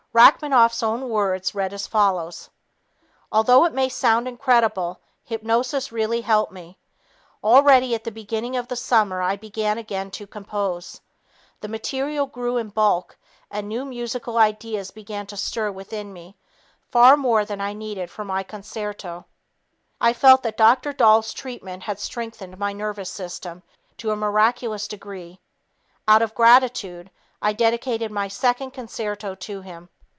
Rachmaninoff's own words read as follows: "Although it may sound incredible, hypnosis really helped me. Already at the beginning of the summer I began again to compose. The material grew in bulk, and new musical ideas began to stir within me far more than I needed for my concerto. I felt that Dr. Dahl's treatment had strengthened my nervous system to a miraculous degree. Out of gratitude, I dedicated my second concerto to him.